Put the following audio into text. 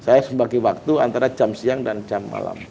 saya sebagai waktu antara jam siang dan jam malam